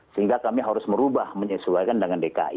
sehingga kami harus merubah menyesuaikan dengan dki